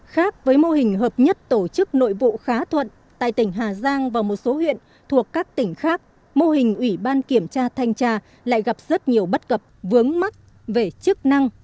khác với mô hình hợp nhất tổ chức nội vụ khá thuận tại tỉnh hà giang và một số huyện thuộc các tỉnh khác mô hình ủy ban kiểm tra thanh tra lại gặp rất nhiều bất cập vướng mắc về chức năng